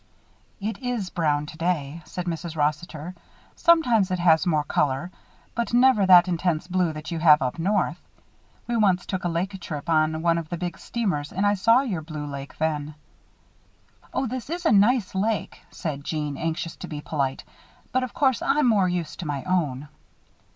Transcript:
"It is brown, today," said Mrs. Rossiter. "Sometimes it has more color; but never that intense blue that you have up north. We once took a lake trip on one of the big steamers and I saw your blue lake then." "Oh, this is a nice lake," said Jeanne, anxious to be polite, "but, of course, I'm more used to my own."